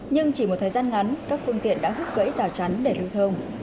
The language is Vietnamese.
nhưng chỉ một thời gian ngắn các phương tiện đã hút gãy rào chắn để lưu thông